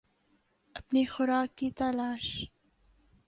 اپنی خوراک کی تلاش